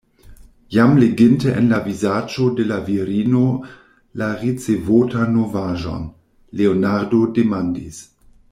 Jam leginte en la vizaĝo de la virino la ricevotan novaĵon, Leonardo demandis: